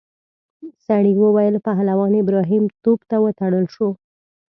سړي وویل پهلوان ابراهیم توپ ته وتړل شو.